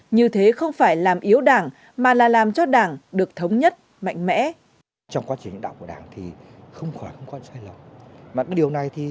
như thế không phải làm yếu đảng mà là làm cho đảng được thống nhất mạnh mẽ